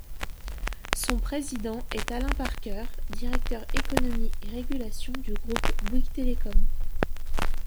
Son président est Alain Parker, directeur économie et régulation du groupe Bouygues Telecom.